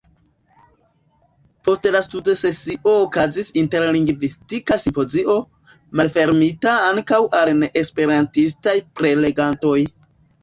Post la studsesio okazis interlingvistika simpozio, malfermita ankaŭ al neesperantistaj prelegantoj.